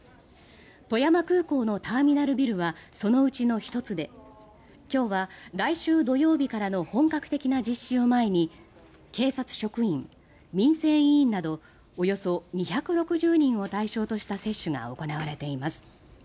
富山空港のターミナルビルはそのうちの１つで今日は来週土曜日からの本格的な実施を前に警察職員、民生委員などおよそ２６０人を対象とした接種が行われています。